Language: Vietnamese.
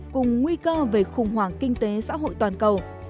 cùng nguy cơ về khủng hoảng kinh tế xã hội toàn cầu